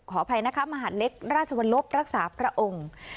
ขออภัยนะคะมหาลักษณ์เล็กราชวนลบรักษาพระองค์